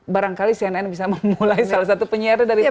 barangkali cnn bisa memulai salah satu penyiaran dari presiden